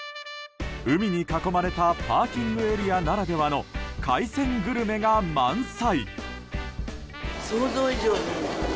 海に囲まれたパーキングエリアならではの海鮮グルメが満載！